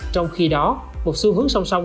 trong khi đó một xu hướng song song